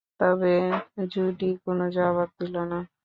তবে জুডি কোনো জবাব দিল না।